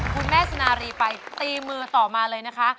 คุณแม่สุนารีไปตีมือต่อมาเลยนะคะ